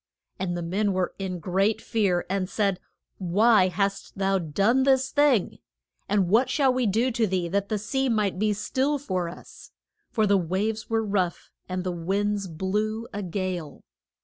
And the men were in great fear and said, Why hast thou done this thing? And what shall we do to thee that the sea may be still for us? For the waves were rough, and the winds blew a gale.